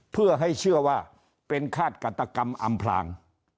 เพื่อให้เชื่อว่าเป็นฆาตกัตกรรมอำพลาง